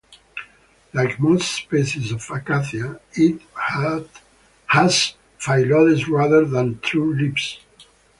Like most specie of "Acacia" it has phyllodes rather than true leaves.